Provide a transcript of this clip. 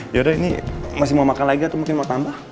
yaudah ini masih mau makan lagi atau mungkin mau tambah